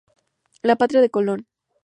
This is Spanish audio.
La patria de Colón.